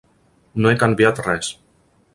No he canviat res.